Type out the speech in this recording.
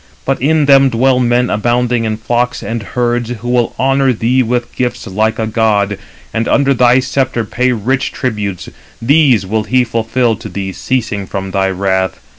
But in them dwell men abounding in flocks and herds, who will honour thee with gifts like a god, and under thy sceptre pay rich tributes. These will he fulfil to thee ceasing from thy wrath.